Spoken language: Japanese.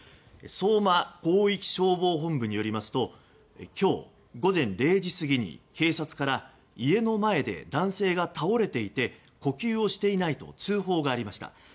相馬広域消防本部によりますと今日午前０時過ぎに警察から家の前で男性が倒れていて呼吸をしていないと通報がありました。